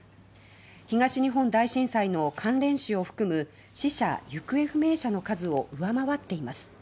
東日本大震災の関連死を含む死者・行方不明者の数を上回っています。